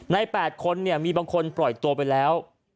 ๘คนมีบางคนปล่อยตัวไปแล้ว